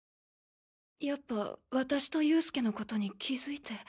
やっぱ私と佑助のことに気付いて。